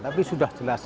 tapi sudah jelas